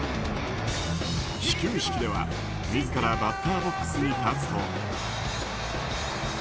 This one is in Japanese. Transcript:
始球式では自らバッターボックスに立つと。